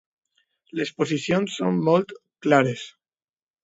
Les posicions són molt clares